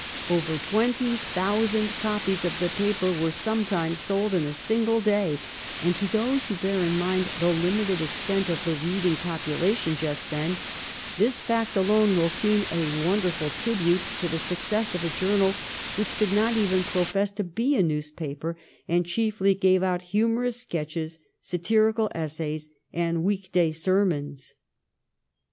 Over twenty thousand copies of the paper were sometimes sold in a single day, and to those who bear in mind the limited extent of the reading population just then, this fact alone will seem a wonderful tribute to the success of a journal which did not even profess to be a newspaper, and chiefly gave out humorous sketches, satirical essays, and week day sermons.